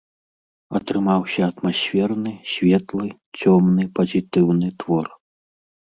Атрымаўся атмасферны, светлы, цёмны, пазітыўны твор.